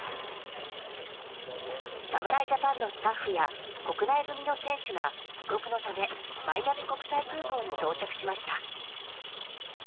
侍ジャパンのスタッフや国内組の選手が帰国のため、マイアミ国際空港に到着しました。